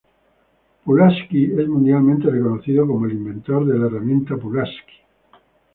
Pulaski es mundialmente reconocido como el inventor de la herramienta Pulaski.